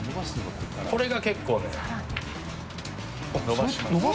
これが結構、伸ばします。